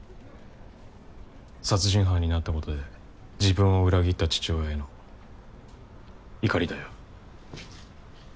殺人犯になった事で自分を裏切った父親への怒りだよ。